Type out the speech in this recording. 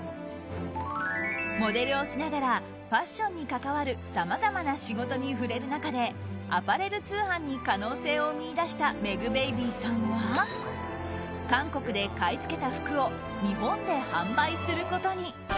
モデルをしながらファッションに関わるさまざまな仕事に触れる中でアパレル通販に可能性を見出したｍｅｇｂａｂｙさんは韓国で買い付けた服を日本で販売することに。